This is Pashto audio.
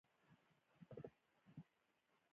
دغه قیاس له پخوا بزګرانو خدای پالنې ته ورته دی.